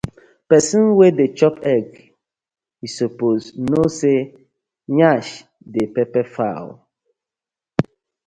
Pesin wey dey chop egg e suppose kno say yansh dey pepper fowl.